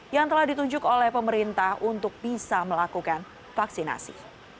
yang telah ditunjuk oleh pemerintah untuk bisa melakukan vaksinasi